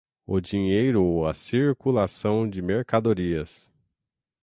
O dinheiro ou a circulação de mercadorias